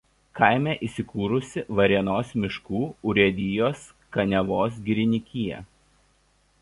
Kaime įsikūrusi Varėnos miškų urėdijos Kaniavos girininkija.